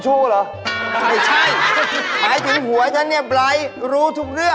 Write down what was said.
ลูบบุชชู้หรือ